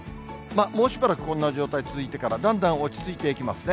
もうしばらく、こんな状態続いてから、だんだん落ち着いていきますね。